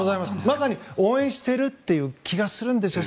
まさに応援しているっていう気がするんですよ。